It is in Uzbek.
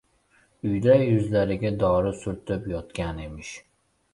Uyida yuzlariga dori surtib yotgan emish.